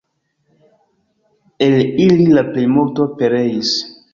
El ili la plejmulto pereis.